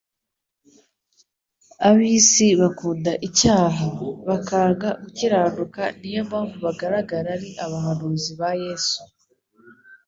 Ab'isi bakunda icyaha, bakanga gukiranuka niyo mpamvu bagaragara ari abahanuzi ba Yesu.